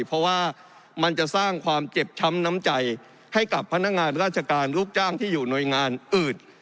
เพราะว่ามันจะสร้างความเจ็บช้ำน้ำใจให้กับพนักงานราชการลูกจ้างที่อยู่หน่วยงานอื่น